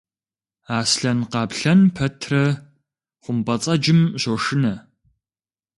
Аслъэн-къаплъэн пэтрэ хъумпӏэцӏэджым щощынэ.